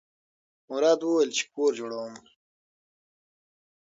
مراد وویل چې کور جوړوم.